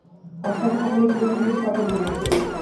আজকাল তো সকলেই ছেলেদের ইংরেজি কাপড় ধরিয়েছে।